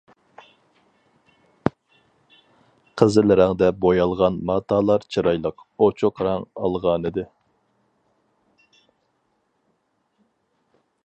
قىزىل رەڭدە بويالغان ماتالار چىرايلىق، ئوچۇق رەڭ ئالغانىدى.